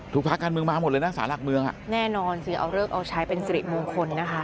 ถูกพราคกรรมึงมาหมดเลยนะสารหลักเมืองจะเอาเริกเอาชัยเป็นสริบมูลคนนะคะ